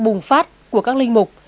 đang bùng phát của các linh mục